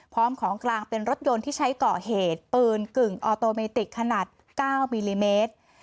ของกลางเป็นรถยนต์ที่ใช้ก่อเหตุปืนกึ่งออโตเมติกขนาด๙มิลลิเมตร